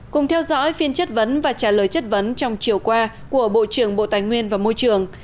cùng theo dõi phiên chất vấn và trả lời chất vấn trong chiều qua của bộ trưởng bộ tài nguyên và môi trường